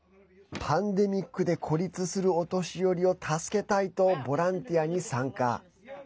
パンデミックで孤立するお年寄りを助けたいとボランティアに参加。